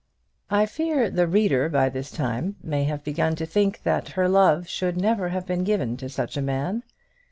I fear the reader by this time may have begun to think that her love should never have been given to such a man.